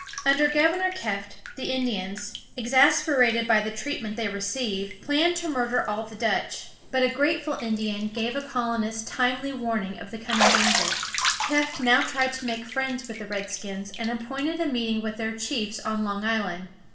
Under Governor Kieft, the Indians, exasperated by the treatment they received, planned to murder all the Dutch. But a grateful Indian gave a colonist timely warning of the coming danger. Kieft now tried to make friends with the redskins, and appointed a meeting with their chiefs on Long Island.